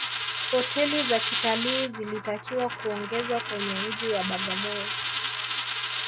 hoteli za kitalii zilitakiwa kuongezwa kwenye mji wa bagamoyo